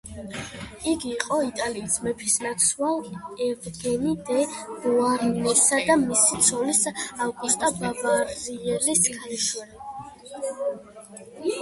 იგი იყო იტალიის მეფისნაცვალ ევგენი დე ბოარნესა და მისი ცოლის, ავგუსტა ბავარიელის ქალიშვილი.